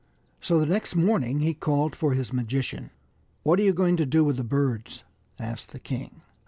So the next morning he called for his magician. " What are you going to do with the birds ?" asked the king.